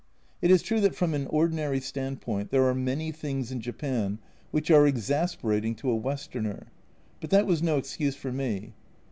It is true that from an ordinary standpoint there are many things in Japan which are exasperating to a Westerner, but that was no excuse for me.